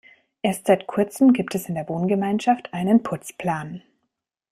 Erst seit Kurzem gibt es in der Wohngemeinschaft einen Putzplan.